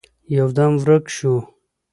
يودم ورک شو.